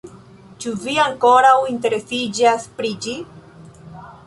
Ĉu vi ankoraŭ interesiĝas pri ĝi?